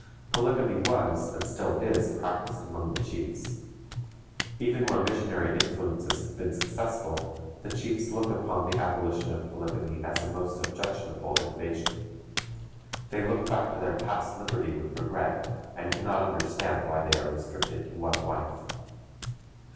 Polygamy was, and still is, practiced among the chiefs. Even where missionary influences have been successful, the chiefs look upon the abolition of polygamy as a most objectionable innovation. They look back to their past liberty with regret, and can not understand why they are restricted to one wife.